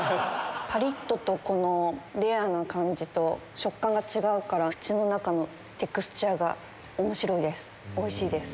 パリっととレアな感じと食感が違うから口の中のテクスチャーがおもしろいです！